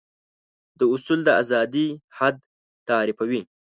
دا اصول د ازادي حد تعريفوي.